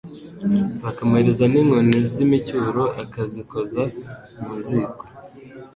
bakamuhereza n’inkoni z’imicyuro akazikoza mu ziko